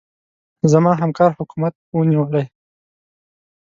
زما همکار حکومت ونيولې.